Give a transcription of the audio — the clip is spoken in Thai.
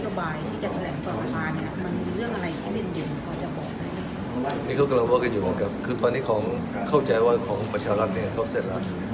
อเจมส์นี่เขากำลังว่ากันอยู่กันครับคือตอนนี้เขาเข้าใจว่าของประชาหรัฐเนี่ยเขาเสร็จแล้ว